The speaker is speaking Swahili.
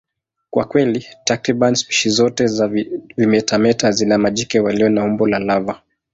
Kwa kweli, takriban spishi zote za vimetameta zina majike walio na umbo la lava.